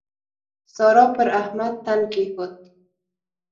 سارا پر احمد تن کېښود.